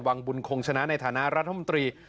วังบุญคงชนะในฐานะรัฐมนตรี